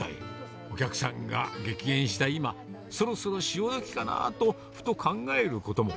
お客さんが激減した今、そろそろ潮時かなぁと、ふと考えることも。